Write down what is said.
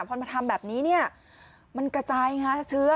พอมาทำแบบนี้มันกระจายเชื้อ